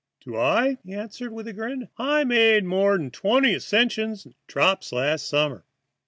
"Do I?" he answered, with a grin. "I made more'n twenty ascensions and drops last summer."